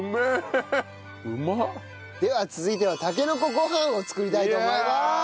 では続いてはたけのこご飯を作りたいと思います！